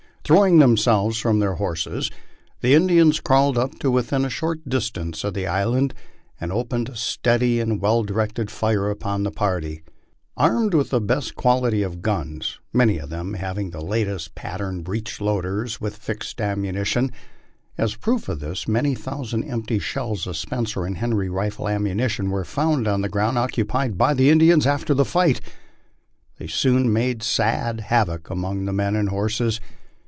Throwing themselves from their horses, the Indians crawled up to within a short distance of the island, and opened a steady and well directed fire upon the party. Armed with the best quality of guns, many of them having the latest pattern breech loaders with fixed ammunition (as proof of this many thousand empty shells of Spencer and Henry rifle ammunition were found on the ground occupied by the Indians after the fight), they soon made sad havoc among the men and horses.